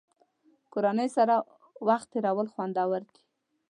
کورنۍ سره وخت تېرول خوندور دي.